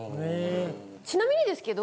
ちなみにですけど。